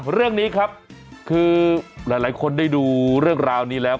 เรื่องนี้ครับคือหลายคนได้ดูเรื่องราวนี้แล้ว